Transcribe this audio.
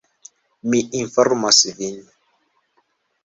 Mi informos vin.